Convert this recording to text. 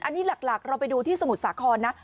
อันนี้หลักเราไปดูที่สมุทรสาครนะ